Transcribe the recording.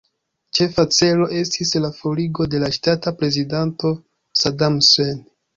Ĉefa celo estis la forigo de la ŝtata prezidanto Saddam Hussein.